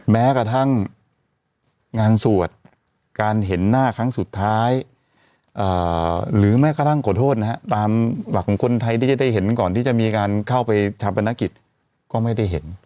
แม้กระทั่งงานสวดการเห็นหน้าครั้งสุดท้ายหรือแม้กระทั่งขอโทษนะฮะตามหลักของคนไทยที่จะได้เห็นก่อนที่จะมีการเข้าไปทำประนักกิจก็ไม่ได้เห็น